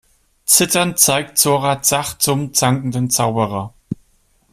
Zitternd zeigt Zora Zach zum zankenden Zauberer.